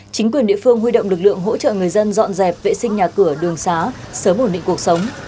chính quyền địa phương huy động lực lượng hỗ trợ người dân dọn dẹp vệ sinh nhà cửa đường xá sớm ổn định cuộc sống